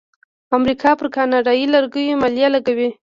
امریکا پر کاناډایی لرګیو مالیه لګوي.